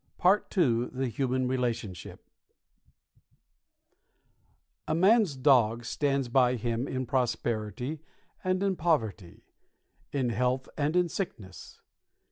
PART II THE HUMAN RELATIONSHIP _"A man's dog stands by him in prosperity and in poverty, in health and in sickness.